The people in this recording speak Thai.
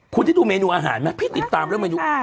คุณได้ดูเมนูอาหารไหมพี่ติดตามเรื่องเมนู